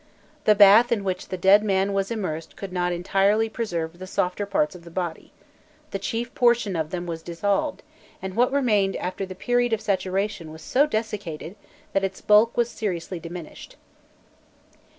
The bath in which the dead man was immersed could not entirely preserve the softer parts of the body: the chief portion of them was dissolved, and what remained after the period of saturation was so desiccated that its bulk was seriously diminished.